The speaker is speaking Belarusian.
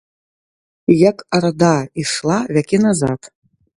Як арда ішла вякі назад.